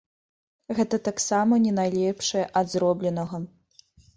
Гэта таксама не найлепшае ад зробленага.